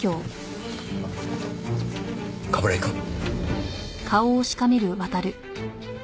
冠城くん。